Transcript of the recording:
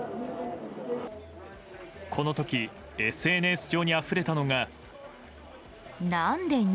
この時、ＳＮＳ上にあふれたのが。